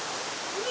うわ！